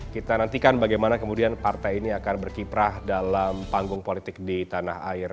kita nantikan bagaimana kemudian partai ini akan berkiprah dalam panggung politik di tanah air